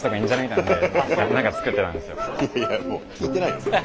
いやもう聞いてないよ